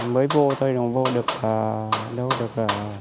mới vô thôi vô được đâu được